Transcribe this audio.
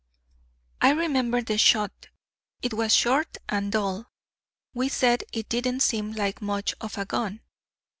"I remember the shot; it was short and dull. We said it didn't seem like much of a gun."